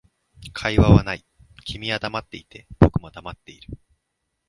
会話はない、君は黙っていて、僕も黙っている